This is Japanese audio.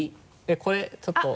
これちょっと。